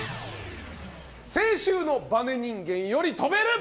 先週のバネ人間より跳べる？